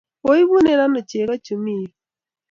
Keibune ano cheko chu mi yu?